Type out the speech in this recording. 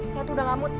saya tuh udah ngamut